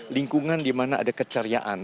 lingkungan di mana ada keceriaan